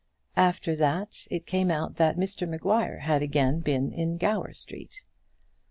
After that it came out that Mr Maguire had again been in Gower Street.